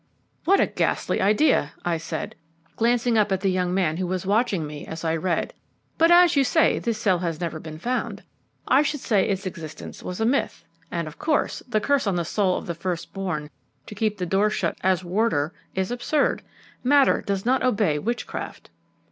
"What a ghastly idea!" I said, glancing up at the young man who was watching me as I read. "But you say this cell has never been found. I should say its existence was a myth, and, of course, the curse on the soul of the first born to keep the door shut as warder is absurd. Matter does not obey witchcraft."